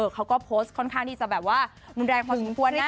เขาก็โพสต์ค่อนข้างที่จะแบบว่ารุนแรงพอสมควรนะ